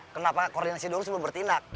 kenapa koordinasi dulu sebelum bertindak